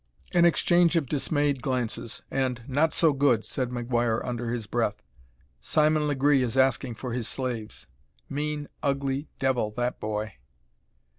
An exchange of dismayed glances, and "Not so good!" said McGuire under his breath; "Simon Legree is asking for his slaves. Mean, ugly devil, that boy!"